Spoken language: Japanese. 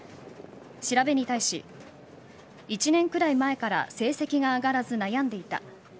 調べに対し１年くらい前から成績が上がらず悩んでいた。